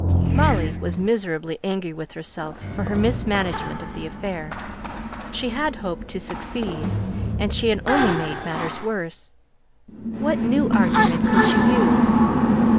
Molly was miserably angry with herself for her mismanagement of the affair. She had hoped to succeed: she had only made matters worse. What new argument could she use?